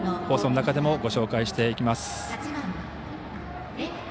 放送の中でもご紹介していきます。